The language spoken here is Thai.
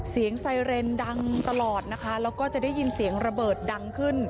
ไซเรนดังตลอดนะคะแล้วก็จะได้ยินเสียงระเบิดดังขึ้น